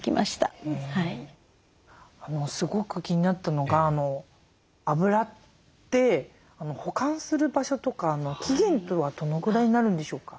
すごく気になったのがあぶらって保管する場所とか期限とはどのぐらいになるんでしょうか？